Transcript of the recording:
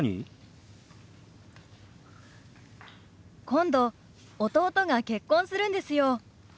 今度弟が結婚するんですよ。